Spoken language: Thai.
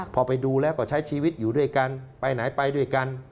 พอไปดูแล้วก็ใช้ชีวิตอยู่ด้วยกันไปไหนไปด้วยกัน